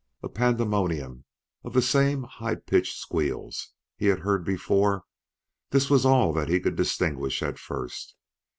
A pandemonium of the same high pitched squeals, he had heard before this was all that he could distinguish at first.